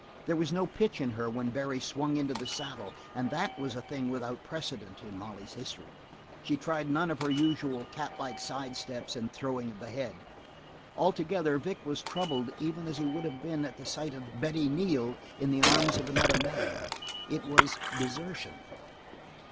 There was no pitch in her when Barry swung into the saddle and that was a thing without precedent in Molly's history. She tried none of her usual catlike side steps and throwing of the head. Altogether, Vic was troubled even as he would have been at the sight of Betty Neal in the arms of another man. It was desertion.